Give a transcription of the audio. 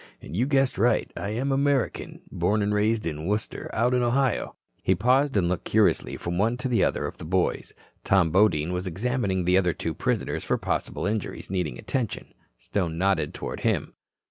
And you guessed right. I am an American. Born an' raised in Wooster, out in Ohio." He paused and looked curiously from one to the other of the boys. Tom Bodine was examining the two other prisoners for possible injuries needing attention. Stone nodded toward him.